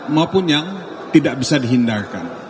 maupun yang tidak bisa dihindarkan